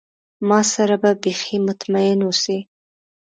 ما سره به بیخي مطمئن اوسی.